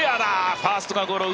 ファーストがゴロを